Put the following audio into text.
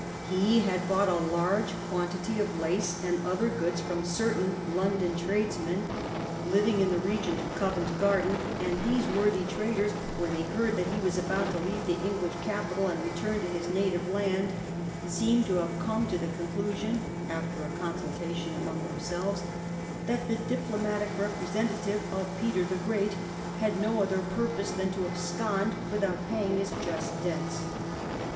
He had bought a large quantity of lace and other goods from certain London tradesmen living in the region of Covent Garden, and these worthy traders, when they heard that he was about to leave the English capital and return to his native land, seem to have come to the conclusion, after a consultation among themselves, that the diplomatic representative of Peter the Great had no other purpose than to abscond without paying his just debts.